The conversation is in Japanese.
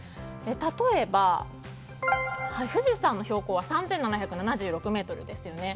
例えば、富士山の標高は３７７６ｍですよね。